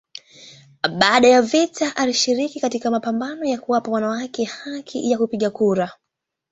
Baada ya vita alishiriki katika mapambano ya kuwapa wanawake haki ya kupiga kura.